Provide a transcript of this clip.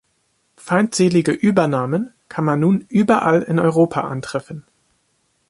Feindselige Übernahmen kann man nun überall in Europa antreffen.